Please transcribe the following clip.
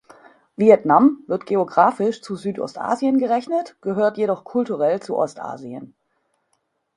Vietnam wird geographisch zu Südostasien gerechnet, gehört jedoch kulturell zu Ostasien.